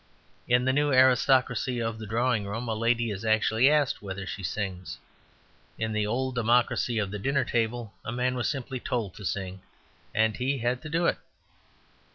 In the new aristocracy of the drawing room a lady is actually asked whether she sings. In the old democracy of the dinner table a man was simply told to sing, and he had to do it.